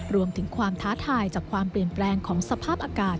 รวมถึงความท้าทายจากความเปลี่ยนแปลงของสภาพอากาศ